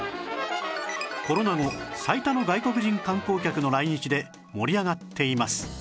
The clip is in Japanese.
コロナ後最多の外国人観光客の来日で盛り上がっています